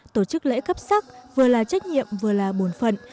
tổ chức lễ cấp sắc vừa là trách nhiệm vừa là bổn phận